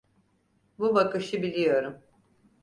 Bu bakışı biliyorum.